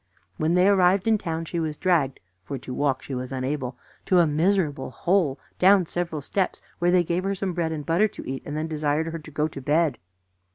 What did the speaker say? When they arrived in town, she was dragged (for to walk she was unable) to a miserable hole down several steps, where they gave her some bread and butter to eat, and then desired her to go to bed.